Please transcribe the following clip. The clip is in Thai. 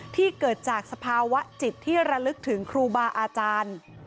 ที่เกิดจากสภาวะจิตที่ระลึกถึงครูบาอาจารย์